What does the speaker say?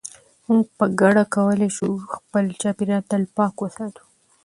موږ په ګډه کولای شو چې خپل چاپیریال تل پاک وساتو.